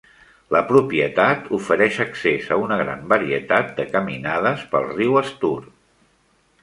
La propietat ofereix accés a una gran varietat de caminades pel riu Stour.